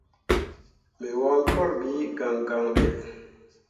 Me wancor ɓi gangan ɓe.